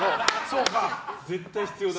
絶対必要だな。